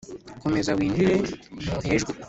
komeza winjire ntuhejwe